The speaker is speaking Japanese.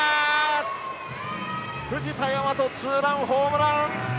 藤田倭、ツーランホームラン。